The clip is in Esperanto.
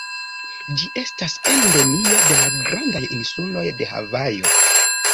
Ĝi estas endemia de la grandaj insuloj de Havajo.